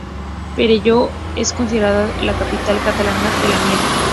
Perelló es considerada la capital catalana de la miel.